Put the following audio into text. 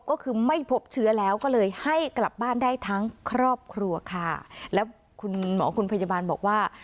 ก็คือไม่พบเชื้อแล้วก็เลยให้กลับบ้านได้ทั้งครอบครัวค่ะแล้วคุณหมอคุณพยาบาลบอกว่า